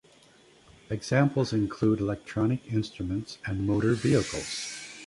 Examples include electronic instruments and motor vehicles.